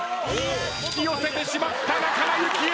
引き寄せてしまった仲間由紀恵。